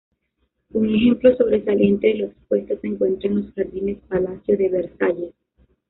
Un ejemplo sobresaliente de lo expuesto se encuentra en los jardines Palacio de Versalles.